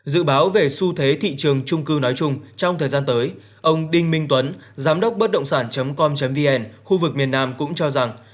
dự báo về xu thế thị trường trung cư nói chung trong thời gian tới ông đinh minh tuấn giám đốc bất động sản com vn khu vực miền nam cũng cho rằng